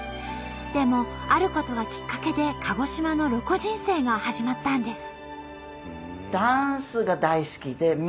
でもあることがきっかけで鹿児島のロコ人生が始まったんです。